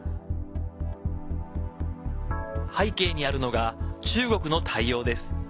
背景にあるのが中国の対応です。